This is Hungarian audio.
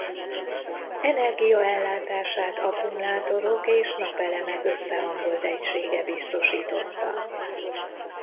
Energiaellátását akkumulátorok és napelemek összehangolt egysége biztosította.